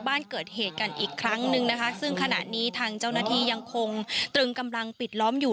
บ้านเกิดเหตุกันอีกครั้งหนึ่งนะคะซึ่งขณะนี้ทางเจ้าหน้าที่ยังคงตรึงกำลังปิดล้อมอยู่